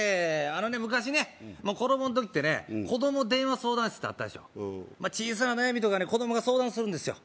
あのね昔ね子供の時ってね子供電話相談室ってあったでしょ小さな悩みとか子供が相談するんですよ